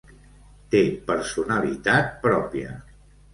Té personalitat pròpia.